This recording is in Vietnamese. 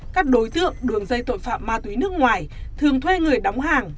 các đối tượng đường dây tội phạm ma túy nước ngoài thường thuê người đóng hàng